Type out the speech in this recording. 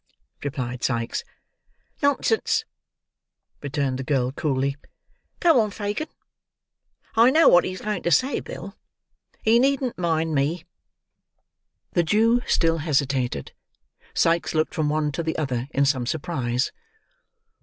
replied Sikes. "Nonsense," rejoined the girl coolly, "Go on, Fagin. I know what he's going to say, Bill; he needn't mind me." The Jew still hesitated. Sikes looked from one to the other in some surprise.